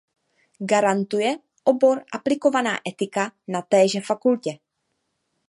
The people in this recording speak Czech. Garantuje obor Aplikovaná etika na téže fakultě.